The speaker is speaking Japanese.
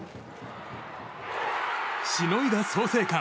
しのいだ創成館！